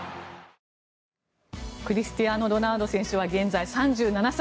クリスティアーノ・ロナウド選手は現在、３７歳。